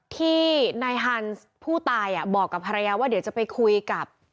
ที่นายฮันส์ผู้ตายบอกกับภรรยาว่าเดี๋ยวจะไปคุยกับ